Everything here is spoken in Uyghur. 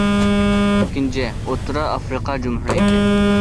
ئىككىنچى: ئوتتۇرا ئافرىقا جۇمھۇرىيىتى.